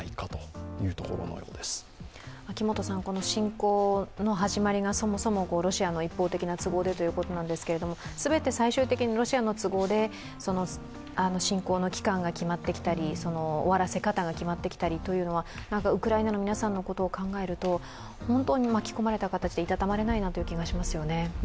侵攻の始まりがそもそもロシアの一方的な都合でということなんですけれども、全て最終的にロシアの都合で侵攻の期間が決まってきたり終わらせ方が決まってきたりというのはウクライナの皆さんのことを考えると、本当に巻き込まれた形でいたたまれない気がしますね。